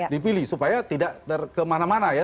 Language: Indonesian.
dipilih supaya tidak kemana mana ya